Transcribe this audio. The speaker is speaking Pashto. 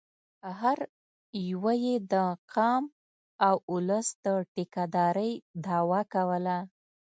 هر یوه یې د قام او اولس د ټیکه دارۍ دعوه کوله.